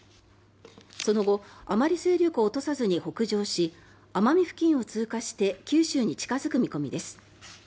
その後、あまり勢力を落とさずに北上し奄美付近を通過して九州に近付く見込みです。